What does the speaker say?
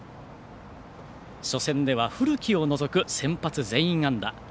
初戦では古木を除く先発全員安打。